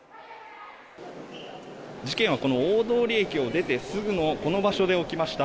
事件は大通駅を出てすぐのこの場所で起きました。